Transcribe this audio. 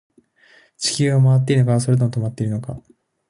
地球は回っているのか、それとも止まっているのか